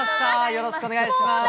よろしくお願いします。